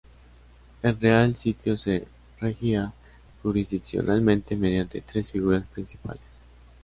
El Real Sitio se regía jurisdiccionalmente mediante tres figuras principales.